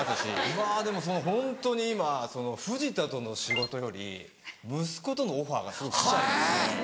まぁでもホントに今藤田との仕事より息子とのオファーが来ちゃうんですよ。